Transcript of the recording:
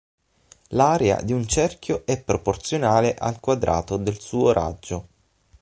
L'area di un cerchio è proporzionale al quadrato del suo raggio.